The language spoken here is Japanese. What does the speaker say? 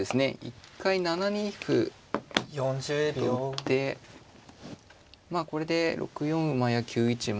一回７二歩と打ってまあこれで６四馬や９一馬